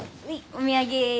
お土産。